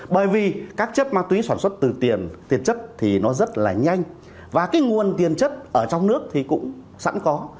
bởi vì các chất ma túy sản xuất từ tiền chất thì nó rất là nhanh và cái nguồn tiền chất ở trong nước thì cũng sẵn có